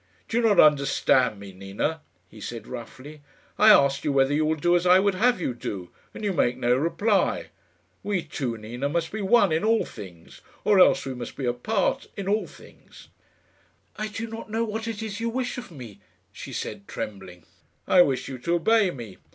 "Do you not understand me, Nina?" he said roughly. "I asked you whether you will do as I would have you do, and you make no reply. We two, Nina, must be one in all things, or else we must be apart in all things." "I do not know what it is you wish of me," she said, trembling. "I wish you to obey me."